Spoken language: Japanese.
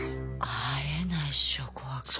会えないっしょ怖くて。